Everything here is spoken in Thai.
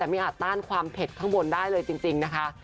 มีอาตั้นความเผ็ดข้างบนได้เลยจริงนะคะ